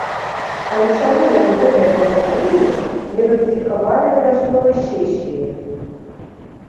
Але чаму яны гэтае пагадненне не ратыфікавалі на вясновай сесіі?